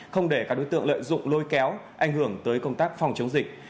không để các đối tượng lợi dụng lôi kéo ảnh hưởng tới công tác phòng chống dịch